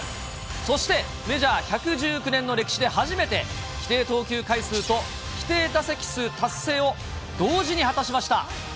そして、メジャー１１９年の歴史で初めて、規定投球回数と規定打席数達成を同時に果たしました。